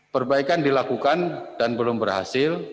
perbaikan dilakukan dan belum berhasil